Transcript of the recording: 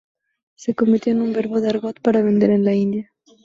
Se convirtió en un verbo de argot para vender en la India.